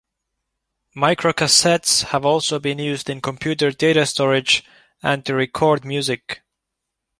Microcassettes have also been used in computer data storage and to record music.